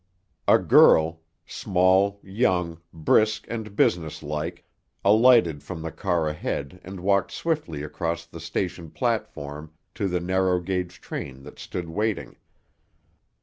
A girl—small, young, brisk and business like—alighted from the car ahead and walked swiftly across the station platform to the narrow gauge train that stood waiting.